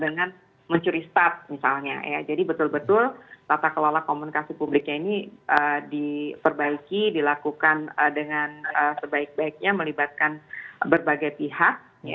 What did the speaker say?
dengan mencuri start misalnya ya jadi betul betul tata kelola komunikasi publiknya ini diperbaiki dilakukan dengan sebaik baiknya melibatkan berbagai pihak